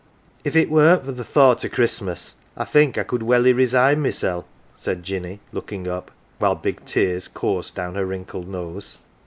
" If it weren't for th' thought o' Christmas I think I could welly resign mysel'," said Jinny, looking up, while big tears coursed down her wrinkled nose.